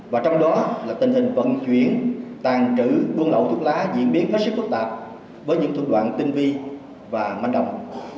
và trong đó là tình hình vận chuyển tàn trữ buôn lậu thuốc lá diễn biến hết sức phức tạp với những thủ đoạn tinh vi và manh động